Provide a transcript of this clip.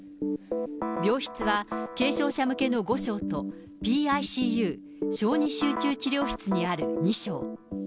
病室は軽症者向けの５床と、ＰＩＣＵ・小児集中治療室にある２床。